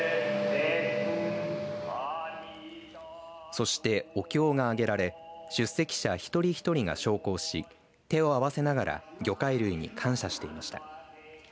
そしてお経が上げられ出席者一人一人が焼香し手を合わせながら魚介類に感謝していました。